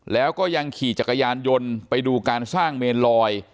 แล้วก็ยังขี่จักรยานยนต์ไปดูการสร้างเมนลอย